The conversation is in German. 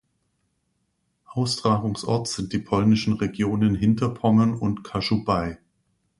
Austragungsort sind die polnischen Regionen Hinterpommern und Kaschubei.